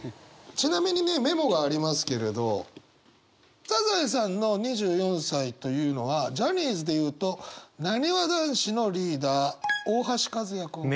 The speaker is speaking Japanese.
ちなみにねメモがありますけれどサザエさんの２４歳というのはジャニーズでいうとなにわ男子のリーダー大橋和也君。